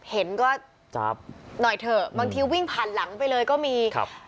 เห็นก็หน่อยเถอะบางทีวิ่งผ่านหลังไปเลยก็มีครับ